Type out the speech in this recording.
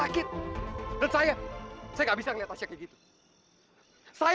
kita gak bisa jalan terus